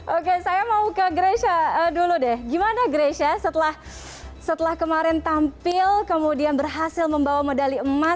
oke saya mau ke gresha dulu deh gimana grecia setelah kemarin tampil kemudian berhasil membawa medali emas